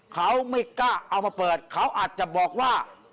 เขาไม่กล้าเอามาเปิดเขาอาจจะบอกว่า